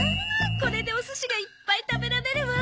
これでお寿司がいっぱい食べられるわ。